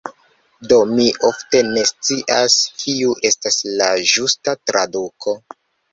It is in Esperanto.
Do mi ofte ne scias, kiu estas la ĝusta traduko.